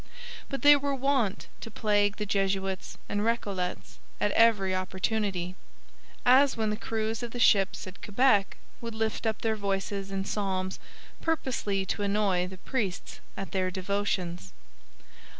But they were wont to plague the Jesuits and Recollets at every opportunity; as when the crews of the ships at Quebec would lift up their voices in psalms purposely to annoy the priests at their devotions.